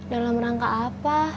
dalam rangka apa